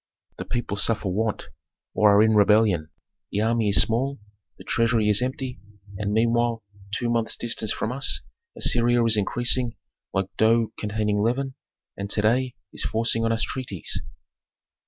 The people suffer want, or are in rebellion; the army is small, the treasury is empty, and meanwhile two months' distance from us Assyria is increasing like dough containing leaven, and to day is forcing on us treaties."